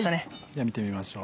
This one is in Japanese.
では見てみましょう。